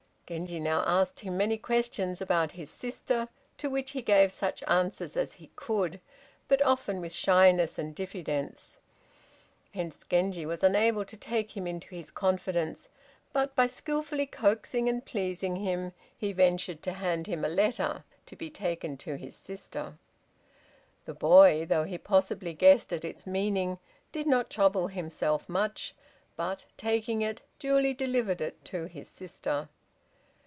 Genji now asked him many questions about his sister, to which he gave such answers as he could, but often with shyness and diffidence. Hence Genji was unable to take him into his confidence, but by skilfully coaxing and pleasing him, he ventured to hand him a letter to be taken to his sister. The boy, though he possibly guessed at its meaning, did not trouble himself much, but taking it, duly delivered it to his sister.